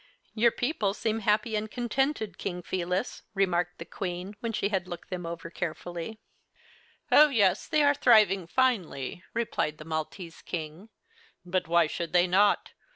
"Your people seem happy and contented, King Felis," remarked the Queen, when she had looked them over carefully. "Oh, yes; they are thriving finely," replied the Maltese King. "But why should they not?